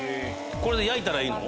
これで焼いたらいいの？